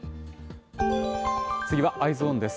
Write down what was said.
次はＥｙｅｓｏｎです。